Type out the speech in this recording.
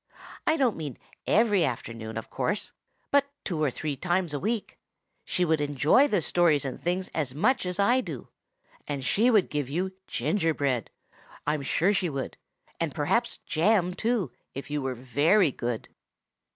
I don't mean every afternoon, of course, but two or three times a week. She would enjoy the stories and things as much as I do; and she would give you gingerbread, I'm sure she would; and perhaps jam too, if you were very good."